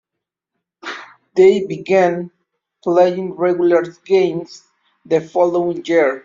They began playing regular games the following year.